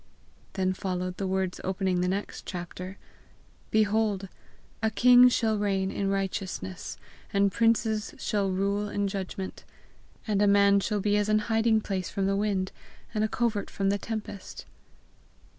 Then followed the words opening the next chapter: "Behold, a king shall reign in righteousness, and princes shall rule in judgment. And a man shall be as an hiding place from the wind, and a covert from the tempest."